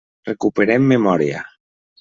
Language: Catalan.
Recuperem memòria.